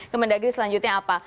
kemendagri selanjutnya apa